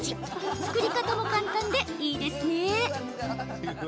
作り方も簡単でいいですね。